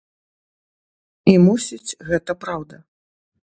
І мусіць, гэта праўда.